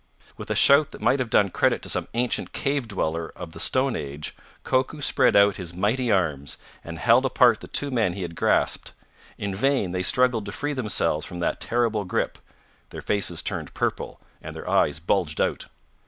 With a shout that might have done credit to some ancient cave dweller of the stone age, Koku spread out his mighty arms, and held apart the two men he had grasped. In vain they struggled to free themselves from that terrible grip. Their faces turned purple, and their eyes bulged out.